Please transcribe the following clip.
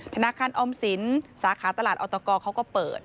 ธนาคารออมสินสาขาตลาดออตกเขาก็เปิด